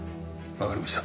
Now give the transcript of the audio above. わかりました。